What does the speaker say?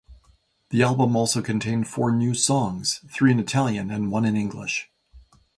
The album also contained four new songs; three in Italian and one in English.